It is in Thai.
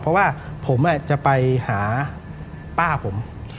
เพราะว่าผมจะไปหาป้าผม